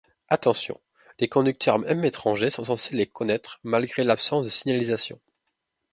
Attention, les conducteurs même étrangers sont censés les connaitre malgré l'absence de signalisation.